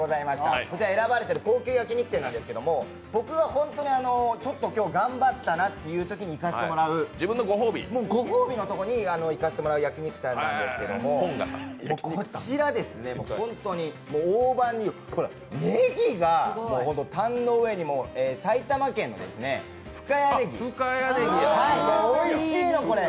こちら選ばれている高級焼き肉店なんですけど僕が本当にちょっと頑張ったなというときに行かせてもらうご褒美のところに行かせてもらう焼き肉店なんですけどもこちら、本当にねぎがタンの上に、埼玉県の深谷ねぎおいしいのこれ。